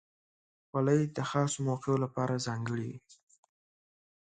خولۍ د خاصو موقعو لپاره ځانګړې وي.